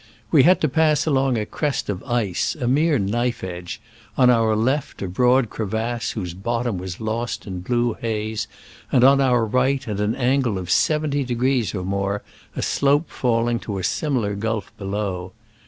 We had to pass along a crest of ice, a mere knife edge — on our left a broad crevasse, whose bottom was lost in blue haze, and on our right, at an angle of seventy degrees or more, a slope falling to a similar gulf below.